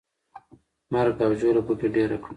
مرګ او ژوبله پکې ډېره کړه.